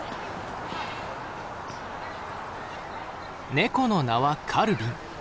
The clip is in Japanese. ネコの名はカルビン。